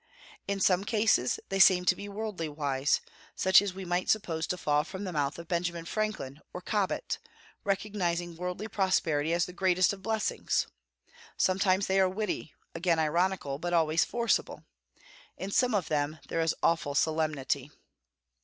In some cases they seem to be worldly wise, such as we might suppose to fall from the mouth of Benjamin Franklin or Cobbett, recognizing worldly prosperity as the greatest of blessings. Sometimes they are witty, again ironical, but always forcible. In some of them there is awful solemnity.